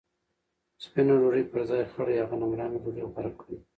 سپینه ډوډۍ پر ځای خړه یا غنمرنګه ډوډۍ غوره کړئ.